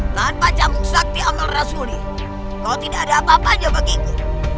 tanpa cambung sakti amal rasulli kau tidak ada apa apanya bagiku